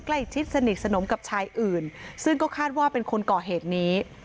ใกล้ชิดสนิทสนมกับชายอื่นซึ่งก็คาดว่าเป็นคนก่อเหตุนี้